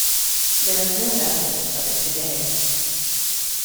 There is no evidence of it today.